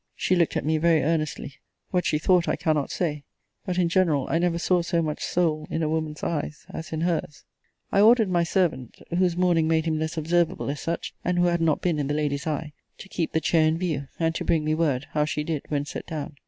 She looked at me very earnestly. What she thought, I cannot say; but, in general, I never saw so much soul in a woman's eyes as in her's. I ordered my servant, (whose mourning made him less observable as such, and who had not been in the lady's eye,) to keep the chair in view; and to bring me word, how she did, when set down.